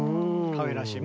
かわいらしい。